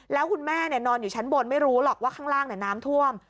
แล้วคุณแม่นอนอยู่ชั้นบนไม่รู้หรอกว่าข้างล่างน้ำท่วม